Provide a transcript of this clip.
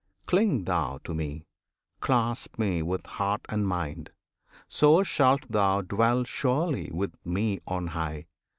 Cling thou to Me! Clasp Me with heart and mind! so shalt thou dwell Surely with Me on high.